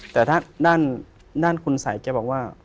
แต่ถ้าด้านคุณสัยแกบอกว่า